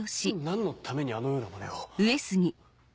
何のためにあのようなまねを。